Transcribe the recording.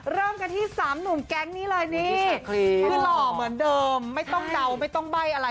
เริ่มกันที่สามหนุ่มแก๊งนี้เลยนี่คือหล่อเหมือนเดิมไม่ต้องเดาไม่ต้องใบ้อะไร